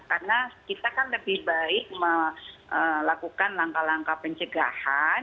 karena kita kan lebih baik melakukan langkah langkah pencegahan